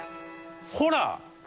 ほら！